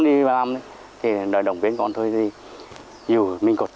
đi giờ vườn này mình có